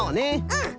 うん。